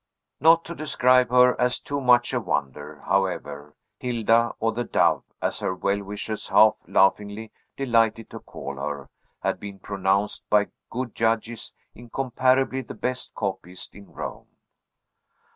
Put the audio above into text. Not to describe her as too much a wonder, however, Hilda, or the Dove, as her well wishers half laughingly delighted to call her, had been pronounced by good judges incomparably the best copyist in Rome.